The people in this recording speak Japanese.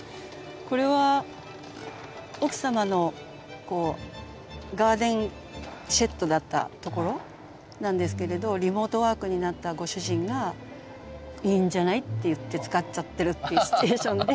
これは奥様のこうガーデンシェッドだったところなんですけれどリモートワークになったご主人が「いいんじゃない」っていって使っちゃってるっていうシチュエーションで。